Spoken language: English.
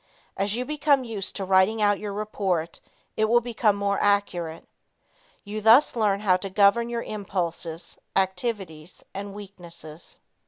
As you become used to writing out your report, it will be more accurate. You thus learn how to govern your impulses, activities and weaknesses.